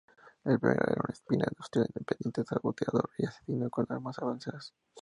El primero era un espía industrial independiente, saboteador y asesino con armas avanzadas.